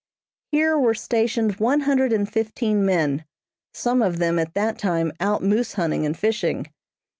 Here were stationed one hundred and fifteen men, some of them at that time out moose hunting and fishing.